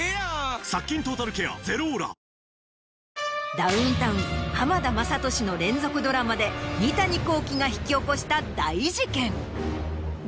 ダウンタウン・浜田雅功の連続ドラマで三谷幸喜が引き起こした大事件。